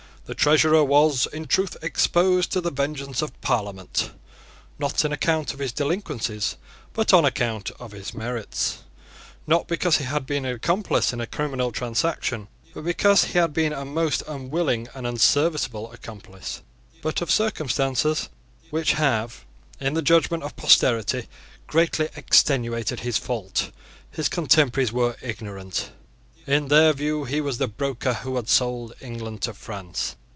The Treasurer was, in truth, exposed to the vengeance of Parliament, not on account of his delinquencies, but on account of his merits; not because he had been an accomplice in a criminal transaction, but because he had been a most unwilling and unserviceable accomplice. But of the circumstances, which have, in the judgment of posterity, greatly extenuated his fault, his contemporaries were ignorant. In their view he was the broker who had sold England to France.